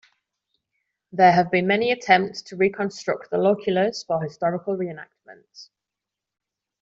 There have been many attempts to reconstruct the loculus for historical reenactment.